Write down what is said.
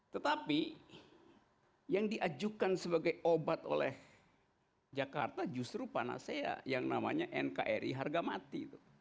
tetapi yang diajukan sebagai obat oleh jakarta justru panasea yang namanya nkri harga mati